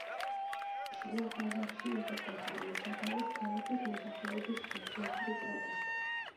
შუა ბაზარში იღებდა ხოლმე სათავეს ქალაქის მოსახლეობის სოციალური პროტესტი.